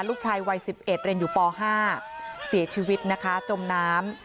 ลูกชายวัย๑๑เรียนอยู่ป๕เสียชีวิตนะคะจมน้ำ